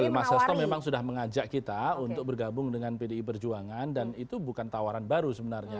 mas hasto memang sudah mengajak kita untuk bergabung dengan pdi perjuangan dan itu bukan tawaran baru sebenarnya